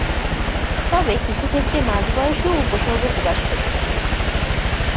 তবে কিছু ক্ষেত্রে মাঝ বয়সেও উপসর্গ প্রকাশ পেতে পারে।